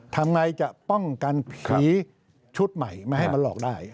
ทำไงจะป้องกันผีชุดใหม่ไม่ให้มันหลอกได้